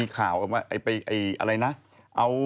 คุณค่ะ